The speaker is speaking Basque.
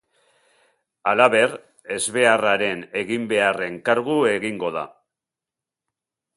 Halaber, ezbeharraren eginbeharren kargu egingo da.